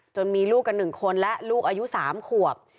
จนมีลูกกันหนึ่งคนและลูกอายุสามคู่